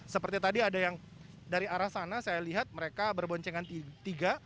seperti tadi ada yang dari arah sana saya lihat mereka berboncengan tiga